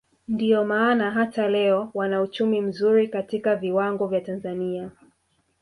ndio maana hata leo wana uchumi mzuri katika viwango vya Tanzania